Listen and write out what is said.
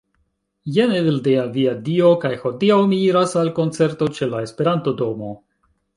Jen Evildea. Via Dio. kaj hodiaŭ mi iras al koncerto ĉe la Esperanto-domo